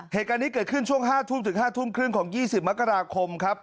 เหตุการณ์นี้เกิดขึ้นช่วง๕ทุ่มถึง๕ทุ่มครึ่งของ๒๐มกราคมครับ